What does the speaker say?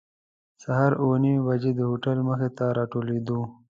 سهار اوه نیمې بجې د هوټل مخې ته راټولېږو.